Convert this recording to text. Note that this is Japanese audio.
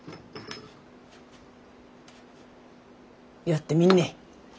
やってみんね。